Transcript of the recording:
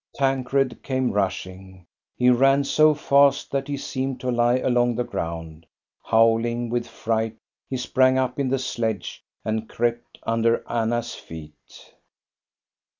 Tancred came rushing. He ran so fast that he 74 THE STORY OF GOSTA BERUNG seemed to lie along the ground. Howling with fright, he sprang up in the sledge and crept under Anna's feet.